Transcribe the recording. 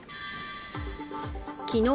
きのう